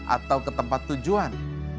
atau ke tempat tujuan